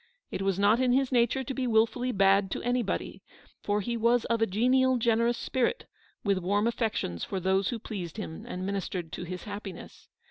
It was not in his nature to be wilfully bad to anybody ; for he was of a genial, generous spirit, with warm affections for those who pleased him and minis tered to his happiness.